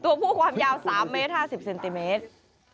ตัวผู้ความยาว๓เมตร๕๐เซนติเมตร